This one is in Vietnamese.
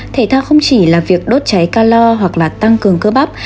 thể thao không chỉ là việc đốt cháy calor hoặc là tăng cường cơ bắp